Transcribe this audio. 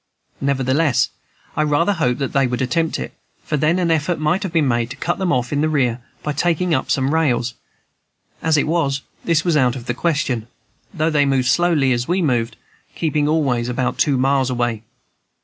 Nevertheless, I rather hoped that they would attempt it, for then an effort might have been made to cut them off in the rear by taking up some rails. As it was, this was out of the question, though they moved slowly, as we moved, keeping always about two miles away.